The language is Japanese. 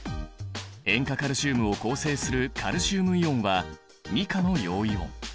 塩化カルシウムを構成するカルシウムイオンは２価の陽イオン。